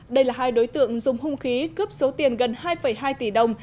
đây là hai đối tượng dùng hung khí cướp số tiền gần hai hai tỷ đồng